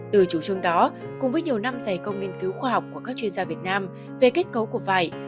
từ chủ trương đó cùng với nhiều năm dày công nghiên cứu khoa học của các chuyên gia việt nam về kết cấu của vải